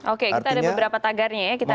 oke kita ada beberapa tagarnya ya kita lihat nih